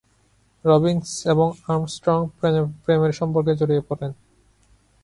Robbins এবং Armstrong প্রেমের সম্পর্কে জড়িয়ে পড়েন।